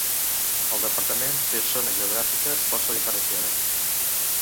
El departament té zones geogràfiques força diferenciades.